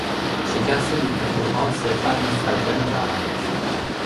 شکست دیکتاتورها صرفا مستلزم زمان است.